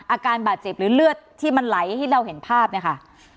อาการบาดเจ็บหรือเลือดที่มันไหลที่เราเห็นภาพเนี่ยค่ะ